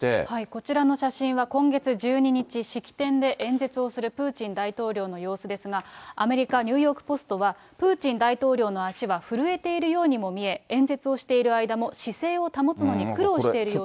こちらの写真は、今月１２日、式典で演説をするプーチン大統領の様子ですが、アメリカ、にゅーよーく・ぽすとはプーチン大統領の足は震えているようにも見え、演説をしている間も、姿勢を保つのに苦労している様子が。